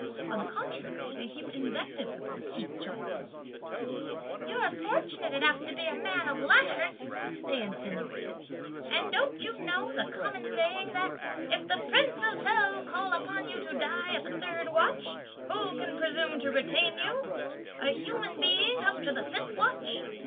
On the contrary, they heaped invectives upon Ch'in Chung. "You're fortunate enough to be a man of letters," they insinuated, "and don't you know the common saying that: 'if the Prince of Hell call upon you to die at the third watch, who can presume to retain you, a human being, up to the fifth watch?'